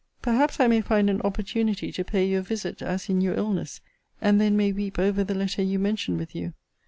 Perhaps I may find an opportunity to pay you a visit, as in your illness; and then may weep over the letter you mention with you.